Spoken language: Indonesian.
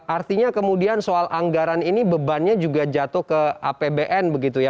artinya kemudian soal anggaran ini bebannya juga jatuh ke apbn begitu ya